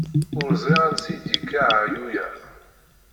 Ur ẓriɣ ansi i yi-d-yekka ɛeyyu-ya.